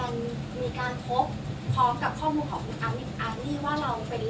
ว่าเราเป็นร่ามในการแปรเรื่องธุรกิจอะไรให้ด้วยตรงนี่เราชี้ใจไหมคะ